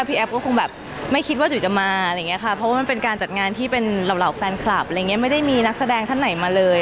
แอฟก็คงแบบไม่คิดว่าจุ๋ยจะมาอะไรอย่างนี้ค่ะเพราะว่ามันเป็นการจัดงานที่เป็นเหล่าแฟนคลับอะไรอย่างเงี้ไม่ได้มีนักแสดงท่านไหนมาเลย